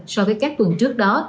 so với các tuần trước đó